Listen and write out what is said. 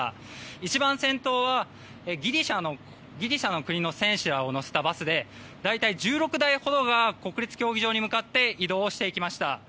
一番先頭はギリシャの国の選手らを乗せたバスで大体１６台ほどが国立競技場に向かって移動をしていきました。